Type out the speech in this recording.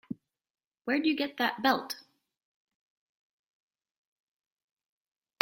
Where'd you get that belt?